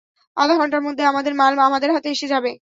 আধা ঘণ্টার মধ্যে আমাদের মাল আমাদের হাতে এসে যাবে।